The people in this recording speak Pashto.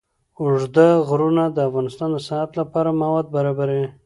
اوږده غرونه د افغانستان د صنعت لپاره مواد برابروي.